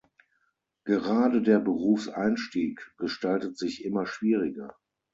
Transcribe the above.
Gerade der Berufseinstieg gestaltet sich immer schwieriger.